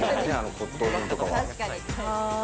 骨董品とかは。